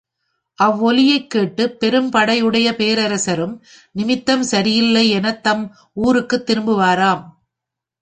அவ்வொலியைக் கேட்டுப் பெரும் படையு டைய பேரரசரும், நிமித்தம் சரியில்லை எனத் தம் ஊருக்குத் திரும்புவராம்.